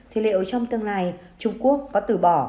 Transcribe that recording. thì liệu trong tương lai trung quốc có từ bỏ